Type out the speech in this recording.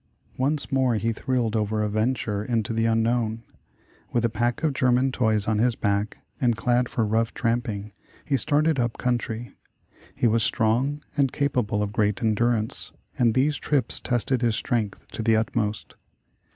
Once more he thrilled over a "venture" in< o the unknown. With a pack of German toys on his back, and clad for rough tramping, he started up country. He was strong, and capable of great endurance, and these trips tested his strength to the utmost.